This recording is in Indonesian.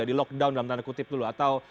di lockdown dalam tanda kutip dulu atau